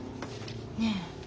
ねえ